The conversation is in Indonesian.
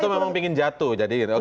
atau memang ingin jatuh jadi